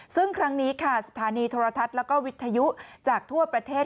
ซึ่งครั้งนี้ค่ะสถานีโทรทัศน์แล้วก็วิทยุจากทั่วประเทศ